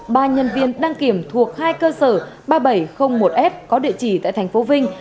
ba nhân viên đăng kiểm thuộc hai cơ sở ba nghìn bảy trăm linh một s có địa chỉ tại thành phố vinh